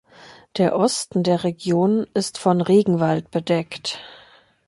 Der Osten der Region ist von Regenwald bedeckt.